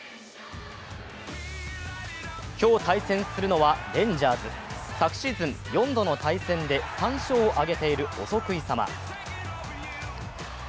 今日対戦するのはレンジャーズ。昨シーズン４度の対戦で３勝を挙げているお得意様。